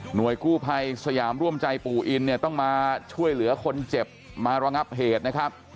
กู้ภัยสยามร่วมใจปู่อินเนี่ยต้องมาช่วยเหลือคนเจ็บมาระงับเหตุนะครับ